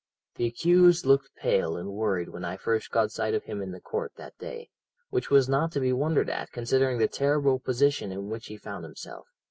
"The accused looked pale and worried when I first caught sight of him in the court that day, which was not to be wondered at, considering the terrible position in which he found himself.